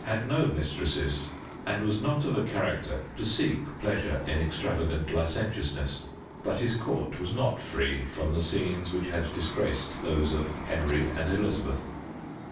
had no mistresses, and was not of a character to seek pleasure in extravagant licentiousness, but his court was not free from the scenes which had disgraced those of Henry and Elizabeth.